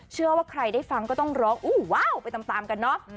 เชื่อว่าใครได้ฟังก็ต้องร้องอู้ว้าวไปตามกันเนาะ